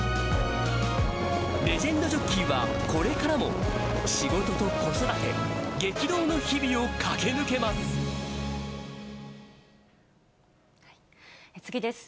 レジェンドジョッキーは、これからも、仕事と子育て、激動の日々を駆け抜けます。